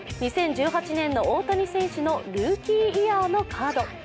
２０１８年の大谷選手のルーキーイヤーのカード。